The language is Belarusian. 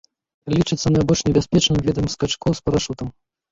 Лічыцца найбольш небяспечным відам скачкоў з парашутам.